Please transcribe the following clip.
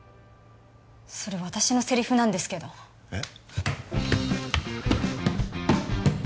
それ私のセリフなんですけどえっ？